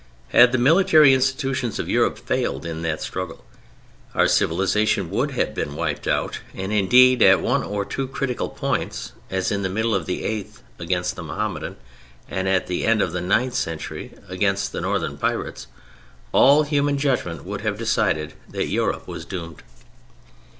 Had the military institutions of Europe failed in that struggle, our civilization would have been wiped out; and indeed at one or two critical points, as in the middle of the eighth against the Mohammedan, and at the end of the ninth century against the northern pirates, all human judgment would have decided that Europe was doomed.